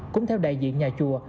cũng theo đại diện nhà chùa